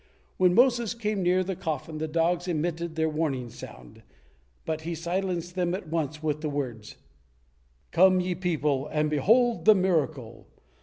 When Moses came near the coffin, the dogs emitted their warning sound, but he silenced them at once with words, "Come, ye people, and behold the miracle!